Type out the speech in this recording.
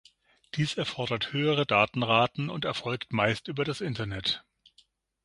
Dies erfordert höhere Datenraten und erfolgt meist über das Internet.